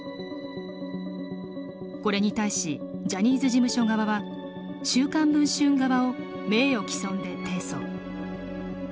これに対しジャニーズ事務所側は週刊文春側を名誉毀損で提訴。